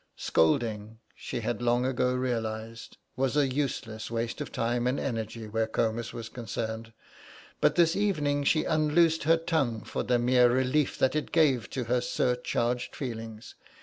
Scolding, she had long ago realised, was a useless waste of time and energy where Comus was concerned, but this evening she unloosed her tongue for the mere relief that it gave to her surcharged feelings.